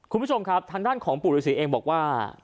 คุณผู้ชมครับทางด้านของปู่ฤษีเองบอกว่า